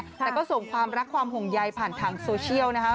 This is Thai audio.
อยากจะส่งรักความหงไยผ่ันทางโซเชียลนะครับ